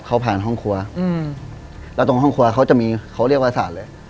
เขาผ่านห้องครัวอืมแล้วตรงห้องครัวเขาจะมีเขาเรียกว่าศาสตร์เลย